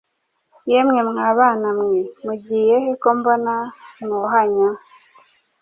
Yemwe mwa bana mwe mugiye he ko mbona mwuhanya?